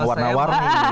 kalau saya mau